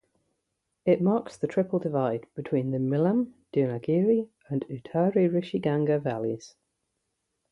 It marks the triple divide between the Milam, Dunagiri, and Uttari Rishi Ganga valleys.